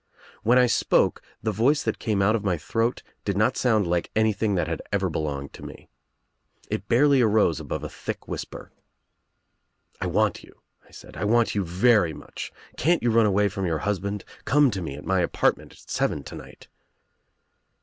When I spoke the voice that came out of my throat did not sound like anything that had ever belonged to me. It barely arose above a thick whisper. 'I want you,' I said. 'I want you very much. Can't you run away from your husband? Come to me at my apartment at seven tonight.'